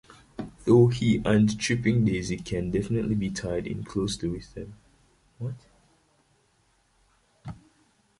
Though he and Tripping Daisy can definitely be tied in closely with them.